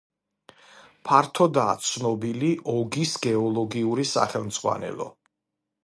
ფართოდაა ცნობილი ოგის გეოლოგიური სახელმძღვანელო.